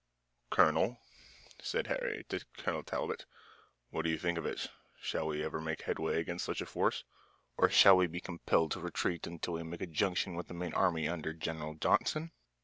"Colonel," said Harry to Colonel Talbot, "what do you think of it? Shall we ever make headway against such a force? Or shall we be compelled to retreat until we make a junction with the main army under General Johnston?"